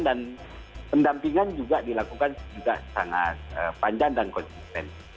dan pendampingan juga dilakukan juga sangat panjang dan konsisten